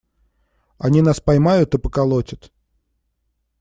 Они нас поймают и поколотят.